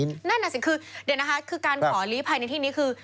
สูงนะคุณมิ้นนั่นอ่ะสิคือเดี๋ยวนะคะคือการขอหลีภัยในที่นี้คือ